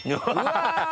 ハハハ。